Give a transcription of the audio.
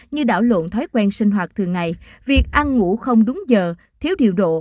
như đảo lộn thói quen sinh hoạt thường ngày việc ăn ngủ không đúng giờ thiếu điều độ